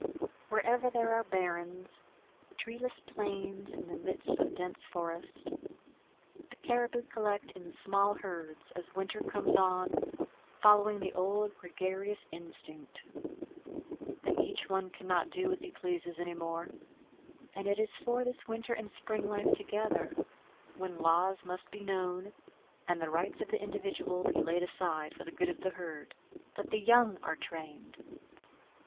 Wherever there are barrens treeless plains in the midst of dense forest the caribou collect in small herds as winter comes on, following the old gregarious instinct. Then each one cannot do as he pleases any more; and it is for this winter and spring life together, when laws must be known, and the rights of the individual be laid aside for the good of the herd, that the young are trained.